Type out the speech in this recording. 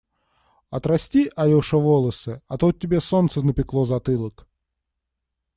Отрасти, Алеша, волосы, а то тебе солнце напекло затылок.